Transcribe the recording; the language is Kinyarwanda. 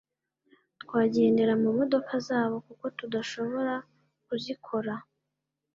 twagendera mu modoka zabo kuko tudashobora kuzikora